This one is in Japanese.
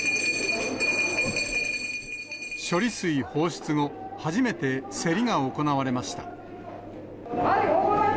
処理水放出後、初めて競りが行われました。